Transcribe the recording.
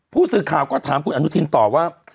ผู้สื่อข่าวก็ถามคุณอนุทินต่อว่า